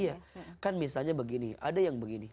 iya kan misalnya begini ada yang begini